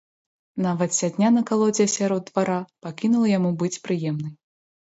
Нават сядня на калодзе сярод двара пакінула яму быць прыемнай.